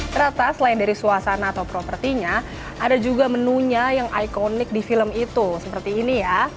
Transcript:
ternyata selain dari suasana atau propertinya ada juga menunya yang ikonik di film itu seperti ini ya